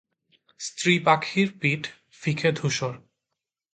স্ত্রী পাখির পিঠ ফিকে ধূসর।